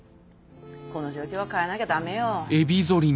この状況は変えなきゃダメよ。